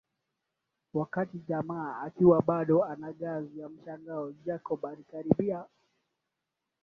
Wakati jamaa akiwa bado ana ganzi ya mshangao Jacob alikaribia